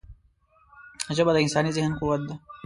ژبه د انساني ذهن قوت ده